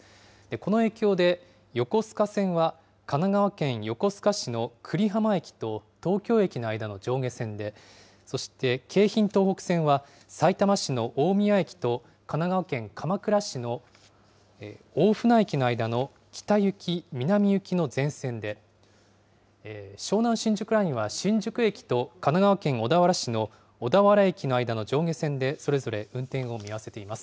この影響で、横須賀線は神奈川県横須賀市の久里浜駅と東京駅の間の上下線で、そして京浜東北線はさいたま市の大宮駅と神奈川県鎌倉市の大船駅の間の北行き・南行きの全線で、湘南新宿ラインは新宿駅と神奈川県小田原市の小田原駅の間の上下線でそれぞれ運転を見合わせています。